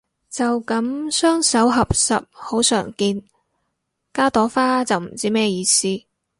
就噉雙手合十好常見，加朵花就唔知咩意思